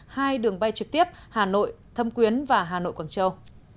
hai đường bay trực tiếp hà nội thâm quyến và hà nội quảng châu